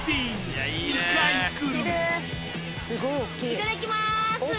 いただきます。